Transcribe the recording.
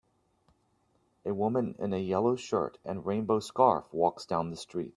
A woman in a yellow shirt and a rainbow scarf walks down the street.